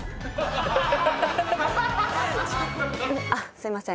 あっすいません。